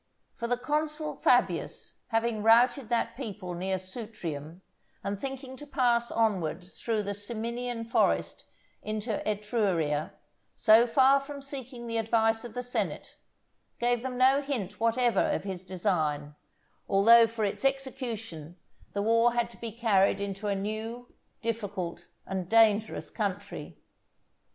For the consul Fabius having routed that people near Sutrium, and thinking to pass onward through the Ciminian forest into Etruria, so far from seeking the advice of the senate, gave them no hint whatever of his design, although for its execution the war had to be carried into a new, difficult, and dangerous country.